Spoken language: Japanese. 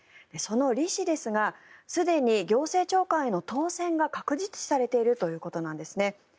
そのリ氏ですがすでに行政長官への当選が確実視されているということなんですね。